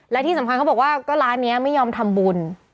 และที่สำคัญเขาบอกว่าก็ร้านนี้ไม่ยอมทำบุญ